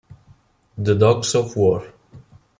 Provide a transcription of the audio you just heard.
The Dogs of War